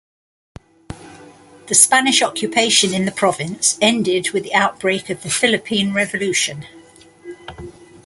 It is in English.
The Spanish occupation in the province ended with the outbreak of the Philippine Revolution.